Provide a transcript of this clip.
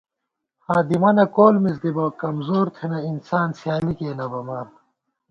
ہادِمَنہ کول مِز دِبہ، کمزور تھنہ، انسان سیالی کېئ نہ بَمان